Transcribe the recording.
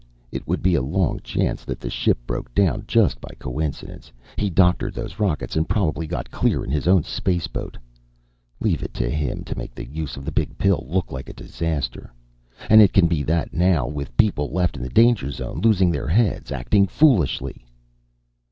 It would be a long chance that the ship broke down just by coincidence. He doctored those rockets and probably got clear in his own spaceboat. Leave it to him to make the use of the Big Pill look like disaster. And it can be that, now, with people left in the danger zone, losing their heads, acting foolishly."